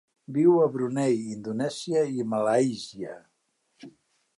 Viu a Brunei, Indonèsia i Malàisia.